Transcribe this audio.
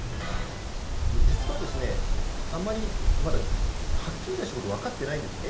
実はあまりまだ、はっきりしたことはわかってないんですよ。